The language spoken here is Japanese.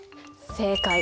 正解！